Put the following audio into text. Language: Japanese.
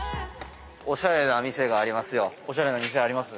おしゃれな店あります。